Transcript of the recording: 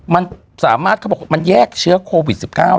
มันสามารถแยกเชื้อโควิด๑๙